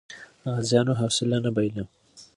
غازیانو حوصله نه بایله.